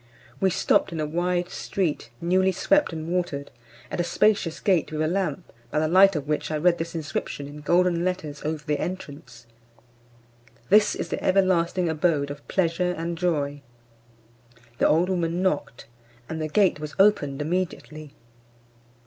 We stopt in a wide street, newly swept and watered, at a spacious gate with a lamp, by the light of which I read this inscription in golden letters over the entrance: "This is the everlasting abode of pleasure and joy." The old woman knocked, and the gate was opened immediately.